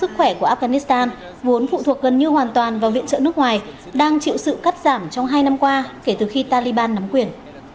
sức khỏe của afghanistan vốn phụ thuộc gần như hoàn toàn vào viện trợ nước ngoài đang chịu sự cắt giảm trong hai năm qua kể từ khi taliban nắm quyền